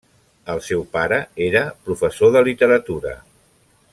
El seu pare era professor de literatura.